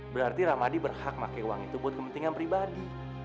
berarti ramadi berhak pakai uang itu buat kepentingan pribadi